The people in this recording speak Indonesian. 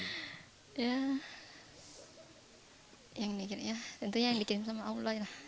ya yang mikirnya tentunya yang dikirim sama allah ya